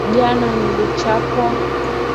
Jana nlichapwa